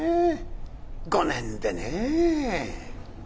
５年でねぇ。